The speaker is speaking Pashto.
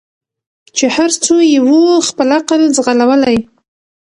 چي هر څو یې وو خپل عقل ځغلولی